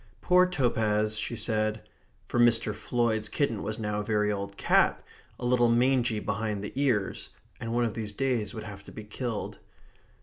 "Poor Topaz," she said (for Mr. Floyd's kitten was now a very old cat, a little mangy behind the ears, and one of these days would have to be killed).